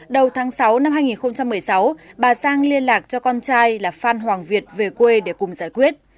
đầu tháng sáu năm hai nghìn một mươi sáu bà sang liên lạc cho con trai là phan hoàng việt về quê để cùng giải quyết